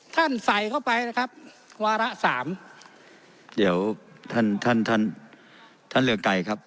ใส่เข้าไปนะครับวาระสามเดี๋ยวท่านท่านท่านเรืองไกรครับ